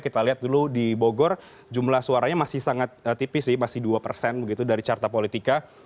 kita lihat dulu di bogor jumlah suaranya masih sangat tipis sih masih dua persen begitu dari carta politika